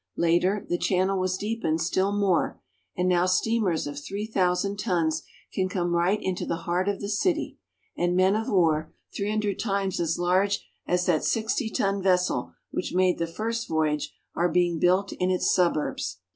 Later the channel was deepened still more, and now steamers of three thousand tons can come right into the heart of the city, and men of war, three hundred times as large as that sixty ton vessel which made the first voyage, are being built in its suburbs.